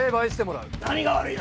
何が悪いだ！